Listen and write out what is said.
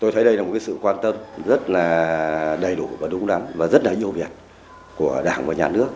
chúng tôi quan tâm rất là đầy đủ và đúng đắn và rất là nhiều việc của đảng và nhà nước